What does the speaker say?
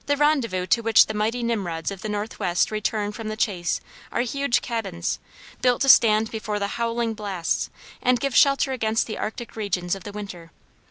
The rendezvous to which the mighty nimrods of the northwest return from the chase are huge cabins, built to stand before the howling blasts, and give shelter against the arctic regions of the winter.